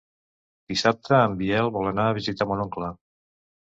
Dissabte en Biel vol anar a visitar mon oncle.